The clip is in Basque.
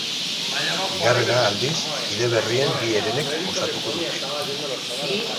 Bigarrena aldiz, kide berrien bi herenek osatuko dute.